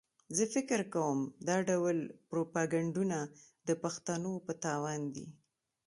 زه فکر کوم دا ډول پروپاګنډونه د پښتنو په تاوان دي.